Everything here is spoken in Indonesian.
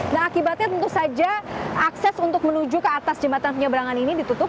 nah akibatnya tentu saja akses untuk menuju ke atas jembatan penyeberangan ini ditutup